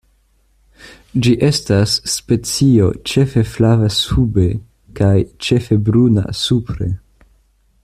Ĝi estas specio ĉefe flava sube kaj ĉefe bruna supre.